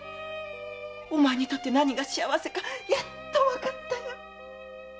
お前にとって何が幸せかやっとわかったよ。